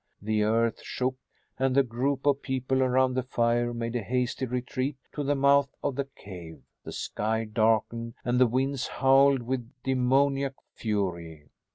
The earth shook and the group of people around the fire made a hasty retreat to the mouth of the cave. The sky darkened and the winds howled with demoniac fury.